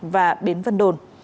và bến vân đồn